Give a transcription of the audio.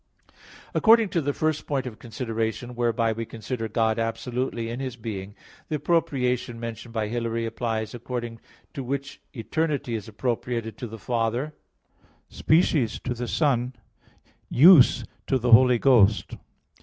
According to the first point of consideration, whereby we consider God absolutely in His being, the appropriation mentioned by Hilary applies, according to which "eternity" is appropriated to the Father, species to the Son, "use" to the Holy Ghost.